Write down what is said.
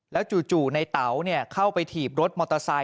แล้วจู่ในเต๋าเข้าไปถีบรถมอเตอร์ไซค